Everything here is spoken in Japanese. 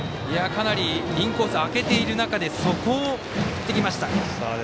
かなりインコースを空けている中でそこを振ってきました。